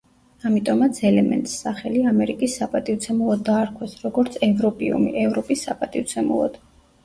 ამიტომაც ელემენტს სახელი ამერიკის საპატივცემლოდ დაარქვეს, როგორც ევროპიუმი, ევროპის საპატივცემულოდ.